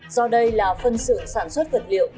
do đây là phân xưởng sản xuất vật liệu